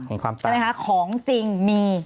ใช่ไหมคะของจริงมี